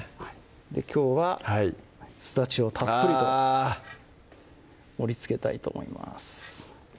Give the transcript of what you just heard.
きょうはすだちをたっぷりとあ盛りつけたいと思います